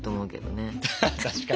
確かに。